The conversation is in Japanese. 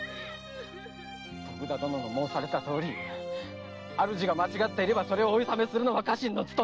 徳田殿の申されたとおり主が間違っていればそれをお諌めするのが家臣の務め。